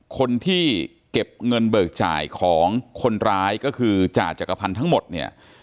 คนที่เก็บเงินเบิกจ่ายของคนร้ายก็คือจ่าจักรพันธ์ทั้งหมดเนี่ย